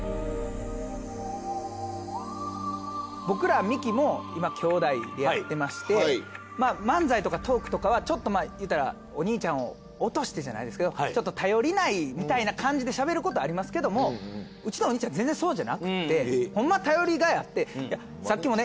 僕らミキも今兄弟でやってまして漫才とかトークとかはちょっとまあいうたらお兄ちゃんを落としてじゃないですけどちょっと頼りないみたいな感じでしゃべることありますけどもうちのお兄ちゃんは全然そうじゃなくってほんまは頼りがいあってさっきもね